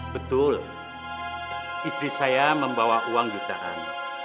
betul istri saya membawa uang jutaan